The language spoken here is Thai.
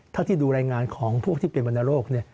เท่าที่ดูรายงานของพวกที่เป็นวรรณโรค